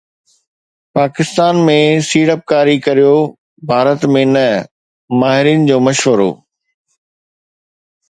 پاڪستان ۾ سيڙپڪاري ڪريو، ڀارت ۾ نه، ماهرن جو مشورو